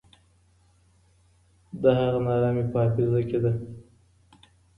د هغه ناره مي په حافظه کي ده.